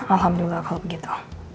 alhamdulillah kalau begitu